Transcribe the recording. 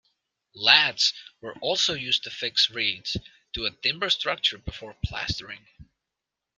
Laths were also used to fix reeds to a timber structure before plastering.